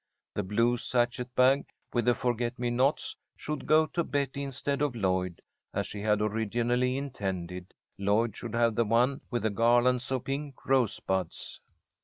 The blue sachet bag with the forget me nots should go to Betty instead of Lloyd, as she had originally intended. Lloyd should have the one with the garlands of pink rosebuds.